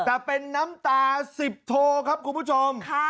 แต่เป็นน้ำตาสิบโทครับคุณผู้ชม